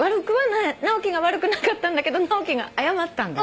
直樹が悪くなかったんだけど直樹が謝ったんだ。